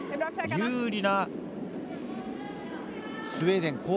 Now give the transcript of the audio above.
有利なスウェーデン。